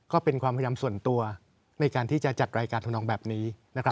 ก็เป็นความพยายามส่วนตัวในการที่จะจัดรายการทำนองแบบนี้